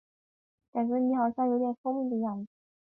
苏珊娜生于丹麦首都哥本哈根。